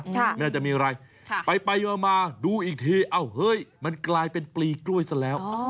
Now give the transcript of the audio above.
ไม่น่าจะมีอะไรไปไปมาดูอีกทีเอ้าเฮ้ยมันกลายเป็นปลีกล้วยซะแล้ว